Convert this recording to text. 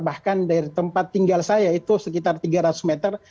bahkan dari tempat tinggal saya itu sekitar tiga ratus meter